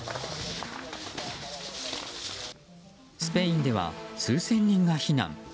スペインでは数千人が避難。